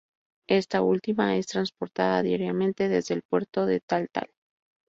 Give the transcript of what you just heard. Esta última es transportada diariamente desde el puerto de Taltal.